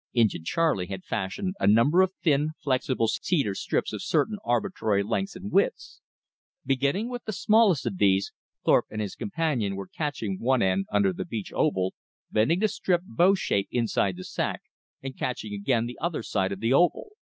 Injin Charley had fashioned a number of thin, flexible cedar strips of certain arbitrary lengths and widths. Beginning with the smallest of these, Thorpe and his companion were catching one end under the beech oval, bending the strip bow shape inside the sac, and catching again the other side of the oval.